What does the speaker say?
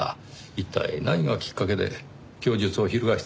一体何がきっかけで供述を翻したのでしょう？